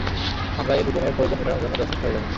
আমরা এ দুজনের প্রয়োজন মিটানোর জন্য যথেষ্ট হয়ে যাব।